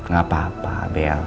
gak apa apa bel